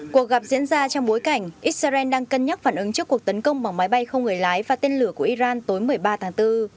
cuộc gặp diễn ra trong bối cảnh israel đang cân nhắc phản ứng trước cuộc tấn công bằng máy bay không người lái và tên lửa của iran tối một mươi ba tháng bốn